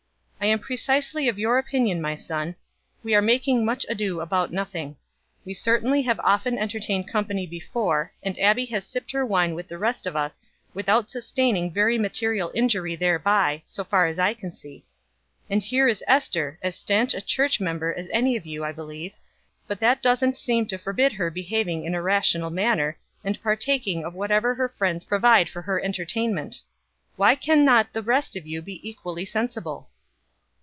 "I am precisely of your opinion, my son. We are making 'much ado about nothing.' We certainly have often entertained company before, and Abbie has sipped her wine with the rest of us without sustaining very material injury thereby, so far as I can see. And here is Ester, as stanch a church member as any of you, I believe, but that doesn't seem to forbid her behaving in a rational manner, and partaking of whatever her friends provide for her entertainment. Why can not the rest of you be equally sensible?"